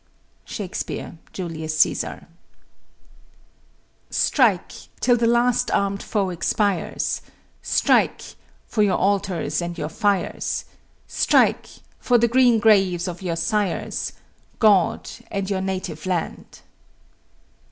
SHAKESPEARE, Julius Cæsar. Strike till the last armed foe expires, Strike for your altars and your fires, Strike for the green graves of your sires, God and your native land!